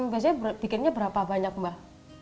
biasanya bikinnya berapa banyak mbak